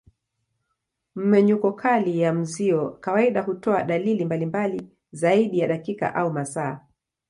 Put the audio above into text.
Mmenyuko kali ya mzio kawaida hutoa dalili mbalimbali zaidi ya dakika au masaa.